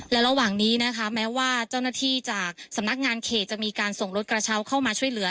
และระหว่างนี้นะคะแม้ว่าเจ้าหน้าที่จากสำนักงานเขตจะมีการส่งรถกระเช้าเข้ามาช่วยเหลือ